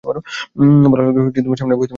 ভালো লাগলে সামনে বসতে পারে।